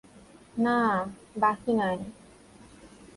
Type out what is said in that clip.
না, বাকী নেই।